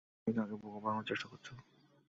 তুমি কাকে বোকা বানানোর চেষ্টা করছো?